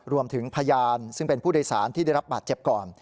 รวมถึงพยานซึ่งเป็นผู้โดยสารที่ได้รับบาดเจ็บก่อน